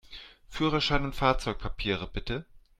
Führerschein und Fahrzeugpapiere, bitte!